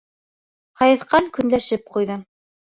Һайыҫҡан көнләшеп ҡуйҙы.